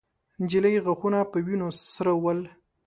د نجلۍ غاښونه په وينو سره ول.